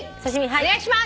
お願いします！